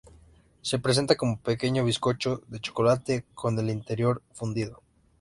Se presenta como pequeño bizcocho de chocolate con el interior fundido.